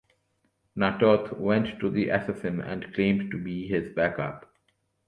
Na'Toth went to the assassin and claimed to be his backup.